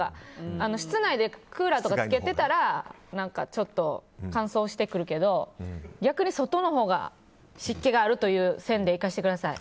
室内でクーラーとかつけていたらちょっと乾燥してくるけど逆に外のほうが湿気があるという線でいかせてください。